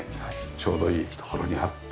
ちょうどいい所にあって。